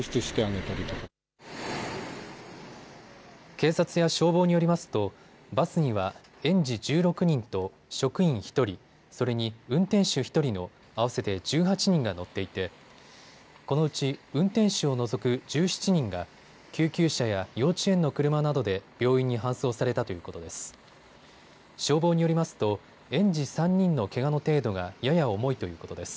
警察や消防によりますとバスには園児１６人と職員１人、それに運転手１人の合わせて１８人が乗っていてこのうち運転手を除く１７人が救急車や幼稚園の車などで病院に搬送されたということです。